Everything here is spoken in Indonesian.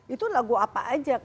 itu lagu apa aja